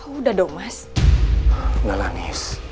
udah dong mas lalani